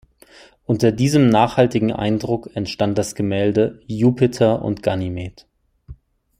Unter diesem nachhaltigen Eindruck entstand das Gemälde „Jupiter und Ganymed“.